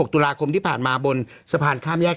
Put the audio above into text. ตุลาคมที่ผ่านมาบนสะพานข้ามแยก